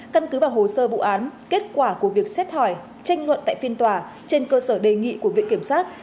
căn cứ vào hồ sơ vụ án kết quả của việc xét hỏi tranh luận tại phiên tòa trên cơ sở đề nghị của viện kiểm sát